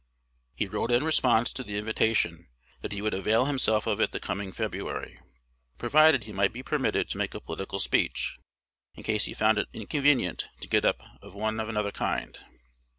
He wrote in response to the invitation, that he would avail himself of it the coming February, provided he might be permitted to make a political speech, in case he found it inconvenient to get up one of another kind.